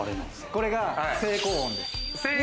これが成功音です。